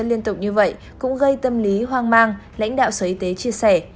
liên tục như vậy cũng gây tâm lý hoang mang lãnh đạo sở y tế chia sẻ